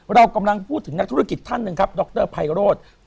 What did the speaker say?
เรากำลังพูดถึงนักธุรกิจท่านนึงครับโด๊คเตอร์ไพรกรวจ